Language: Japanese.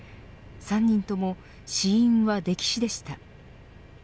３人とも死因は溺死でした。